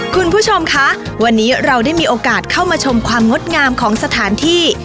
คุณผู้ชมคะวันนี้เราได้มีโอกาสเข้ามาชมความงดงามของสถานที่